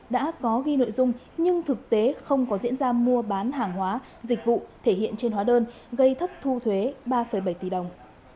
đã có ghi nội dung nhưng thực tế không có diễn ra mua bán hàng hóa dịch vụ thể hiện trên hóa đơn gây thất thu thuế ba bảy tỷ đồng